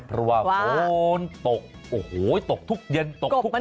เพราะว่าฝนตกโอ้โหตกทุกเย็นตกทุกวัน